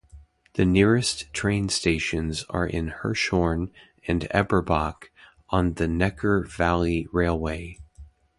The nearest train stations are in Hirschhorn and Eberbach, on the Neckar Valley Railway.